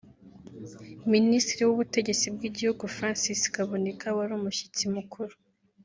Minisitiri w’ubutegetsi bw’igihugu Francis Kaboneka wari umushyitsi mukuru